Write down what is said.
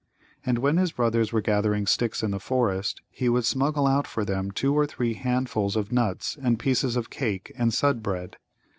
And when his brothers were gathering sticks in the forest, he would smuggle out for them two or three handfuls of nuts and pieces of cake and Sudd bread.